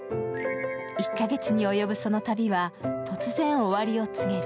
１カ月に及ぶその旅は突然、終わりを告げる。